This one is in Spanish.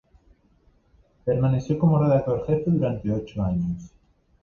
Permaneció como redactor jefe durante ocho años.